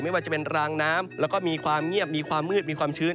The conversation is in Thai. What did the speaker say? ไม่ว่าจะเป็นรางน้ำแล้วก็มีความเงียบมีความมืดมีความชื้น